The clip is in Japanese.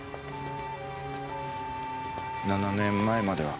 ７年前までは。